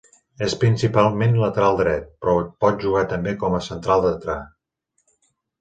És principalment lateral dret, però pot jugar també com a central dretà.